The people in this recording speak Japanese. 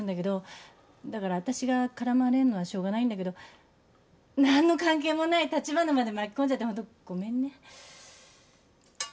だから私が絡まれんのはしょうがないんだけど何の関係もない立花まで巻き込んじゃってホントごめんね。